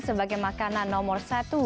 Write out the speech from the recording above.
sebagai makanan nomor satu